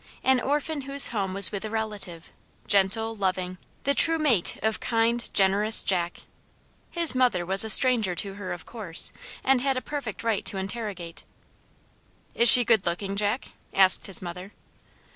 An orphan whose home was with a relative, gentle, loving, the true mate of kind, generous Jack. His mother was a stranger to her, of course, and had perfect right to interrogate: "Is she good looking, Jack?" asked his mother.